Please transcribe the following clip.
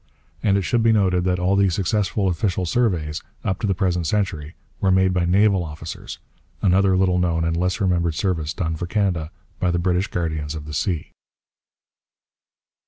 And it should be noted that all the successful official surveys, up to the present century, were made by naval officers another little known and less remembered service done for Canada by the British guardians of the sea.